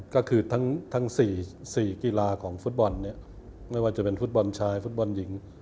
ก็คือทั้ง๔กีฬาของฟุตบอลเนี่ยไม่ว่าจะเป็นฟุตบอลชายฟุตบอลหญิง